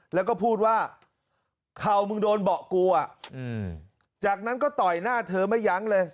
แล้วก็พูดว่าเข่ามึงโดนเบาะกูอ่ะจากนั้นก็ต่อยหน้าเธอไม่ยั้งเลย